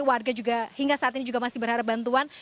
warga juga hingga saat ini juga masih berharap bantuan